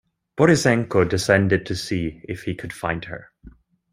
Borisenko descended to see if he could find her.